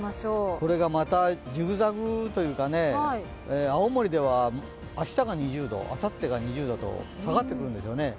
これがまたジグザグというか青森では明日が２０度あさってが２０度と下がってくるんですよね。